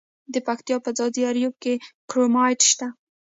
د پکتیا په ځاځي اریوب کې کرومایټ شته.